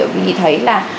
vì thấy là